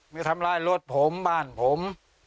มีทำร้ายรถผมบ้านผม